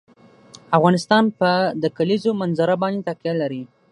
افغانستان په د کلیزو منظره باندې تکیه لري.